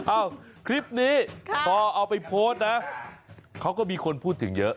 คลิปนี้พอเอาไปโพสต์นะเขาก็มีคนพูดถึงเยอะ